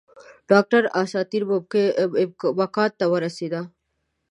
ډاکټره اساطیري مکان ته ورسېده.